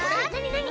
なに？